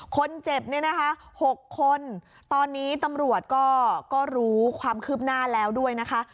คนเจ็บเนี่ยนะคะ๖คนตอนนี้ตำรวจก็รู้ความคืบหน้าแล้วด้วยนะคะ